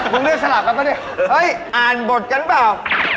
มึงเลือกสลับกันปะเนี่ยเฮ้ยอ่านบทกันเปล่า